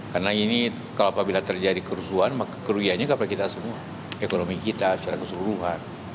karena ini kalau apabila terjadi kerusuhan maka keruyanya kepada kita semua ekonomi kita secara keseluruhan